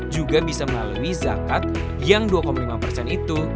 juga bisa melalui zakat yang dua lima persen itu